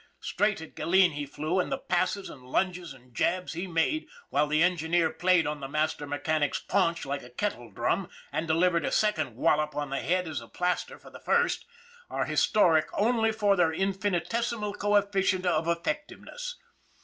Straight at Gilleen he flew, and the passes and lunges and jabs he made while the engineer played on the master mechanic's paunch like a kettle drum and delivered a second wallop on the head as a plaster for the first are historic only for their infinitesimal coefficient of effect iveness.